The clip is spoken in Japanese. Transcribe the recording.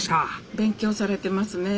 勉強されてますねえ。